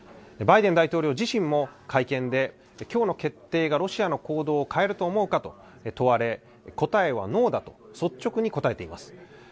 バイデン大統領自身も会見で、きょうの決定がロシアの行動を変えると思うかと問われ、答えはノーだと率直に答えています。